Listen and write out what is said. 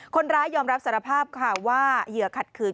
คนร้ายยอมรับสารภาพค่ะว่าเหยื่อขัดขืน